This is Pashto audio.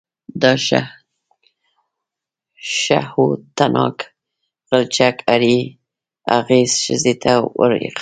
دا شهوتناک غلچک هرې هغې ښځې ته وربښې.